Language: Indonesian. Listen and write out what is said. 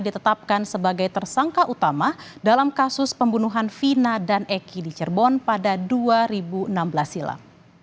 ditetapkan sebagai tersangka utama dalam kasus pembunuhan vina dan eki di cirebon pada dua ribu enam belas silam